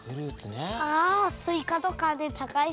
あスイカとかねたかいし。